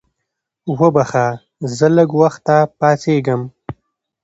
وبخښه زه لږ وخته پاڅېږم.